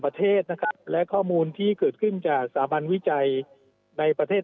ประเทศนะครับและข้อมูลที่เกิดขึ้นจากสถาบันวิจัยในประเทศ